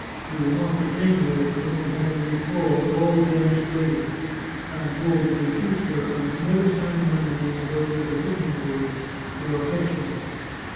You will not be angry with me for having recalled all the banished ladies. I am told that in future I must never sign my name without having written the words * your affectionate.'